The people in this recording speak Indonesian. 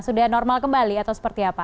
sudah normal kembali atau seperti apa